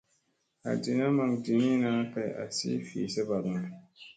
Hal tina maŋ diniina kay a asi fi sabakŋga.